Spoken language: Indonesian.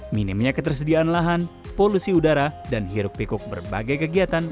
minimnya ketersediaan lahan polusi udara dan hiruk pikuk berbagai kegiatan